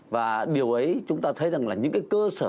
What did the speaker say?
và điều ấy chúng ta thấy là những cơ sở